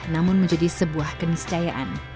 namun menjadi sebuah keniscayaan